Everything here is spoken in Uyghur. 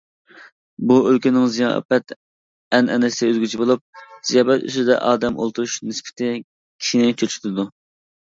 (بۇ ئۆلكىنىڭ زىياپەت ئەنئەنىسى ئۆزگىچە بولۇپ، زىياپەت ئۈستىدە ئادەم ئولتۇرۇش نىسبىتى كىشىنى چۆچۈتىدۇ).